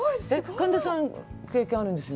神田さん、経験あるんですよね。